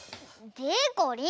でこりん！